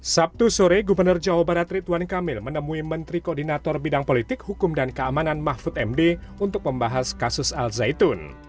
sabtu sore gubernur jawa barat rituan kamil menemui menteri koordinator bidang politik hukum dan keamanan mahfud md untuk membahas kasus al zaitun